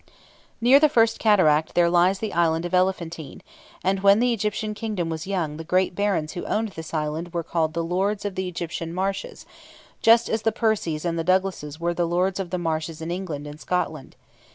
Near the First Cataract there lies the island of Elephantine, and when the Egyptian kingdom was young the great barons who owned this island were the Lords of the Egyptian Marches, just as the Percies and the Douglases were the Lords of the Marches in England and Scotland.